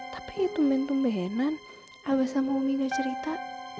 tapi itu men tumbehenan abah sama umi gak cerita